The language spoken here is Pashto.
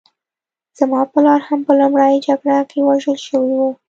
زما پلار هم په لومړۍ جګړه کې وژل شوی و